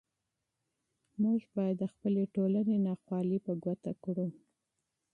موږ باید د خپلې ټولنې ناخوالې په ګوته کړو.